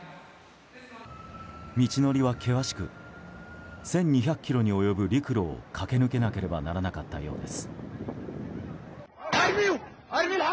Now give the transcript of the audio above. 道のりは険しく１２００ｋｍに及ぶ陸路を駆け抜けなければならなかったようです。